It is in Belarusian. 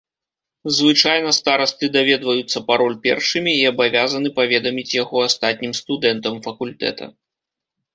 Звычайна старасты даведваюцца пароль першымі і абавязаны паведаміць яго астатнім студэнтам факультэта.